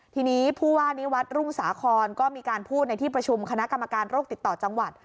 ทีนี้ผู้ว่านิวัตรรุ่งสาครก็มีการพูดในที่ประชุมคณะกรรมการโรคติดต่อจังหวัด